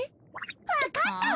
わかったわ。